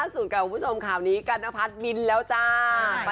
สูงแก่คบผู้ชมข้าวนี้กันนัพันธ์บินแล้วจ้า